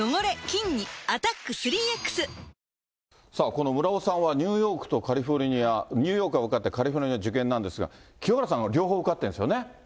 この村尾さんはニューヨークとカリフォルニア、ニューヨークは受かって、カリフォルニア受験なんですが、清原さんが両方受かってるんですよね。